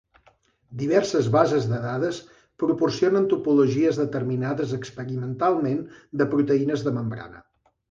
Diverses bases de dades proporcionen topologies determinades experimentalment de proteïnes de membrana.